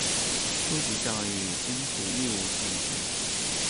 初级教育应属义务性质。